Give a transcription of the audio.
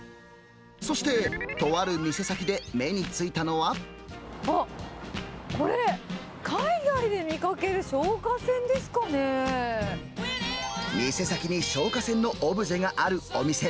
そしてとある店先で目についたのあっ、これ、店先に消火栓のオブジェがあるお店。